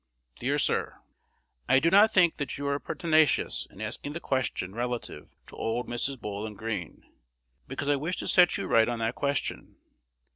Dear Sir, I do not think that you are pertinacious in asking the question relative to old Mrs. Bowlin Greene, because I wish to set you right on that question.